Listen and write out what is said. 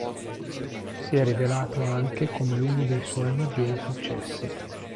Si è rivelato anche come uno dei suoi maggiori successi.